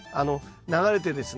流れてですね